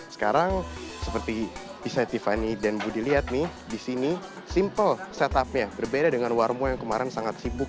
sekarang seperti bisa tiffany dan budi lihat nih disini simple setupnya berbeda dengan warmo yang kemarin sangat sibuk